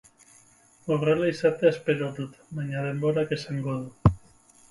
Horrela izatea espero dut, baina, denborak esango du.